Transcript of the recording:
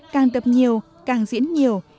càng tập nhiều càng diễn nhiều